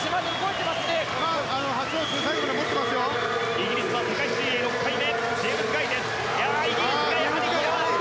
イギリスは世界水泳６回目のジェームズ・ガイです。